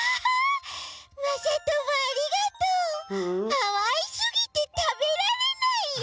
かわいすぎてたべられないよ！